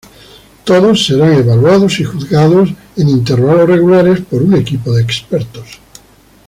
Todos serán evaluados y juzgados en intervalos regulares por un equipo de expertos.